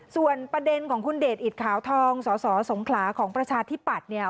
ส่วนประเด็นของคุณเดชอิดขาวทองสสสงขลาของประชาธิปัตย์เนี่ย